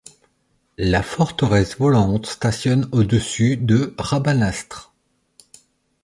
La forteresse volante stationne au-dessus de Rabanastre.